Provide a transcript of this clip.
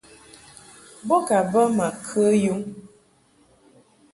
Bo ka bə ma kə yum.